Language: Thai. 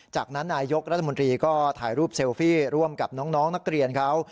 จากนั้นนายยกรัฐมนตรีก็ถ่ายรูปเซลฟี่ร่วมกับน้องนักเรียนเขา